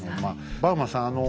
バウマンさん